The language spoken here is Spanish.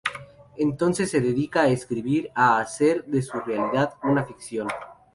Entonces se dedica a escribir, a hacer de su realidad una ficción.